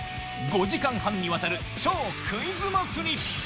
５時間半にわたる超クイズ祭り。